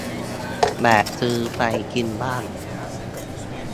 แบบซื้อไปกินบ้าน